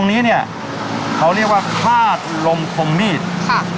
นี้เนี่ยเขาเรียกว่าธาตุลมคมมีดค่ะ